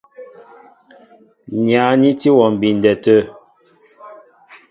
Nyǎn í tí wɔ mbindɛ tə̂.